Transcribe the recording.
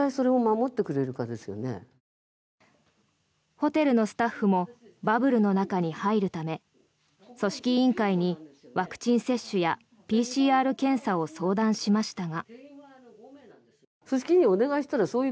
ホテルのスタッフもバブルの中に入るため組織委員会にワクチン接種やＰＣＲ検査を相談しましたが。